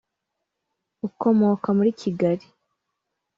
ukomoka muri kigali